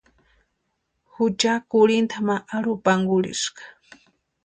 Jucha kurhinta ma arhupankurhiska.